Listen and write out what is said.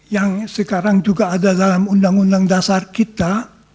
yang sekarang juga ada dalam undang undang dasar kita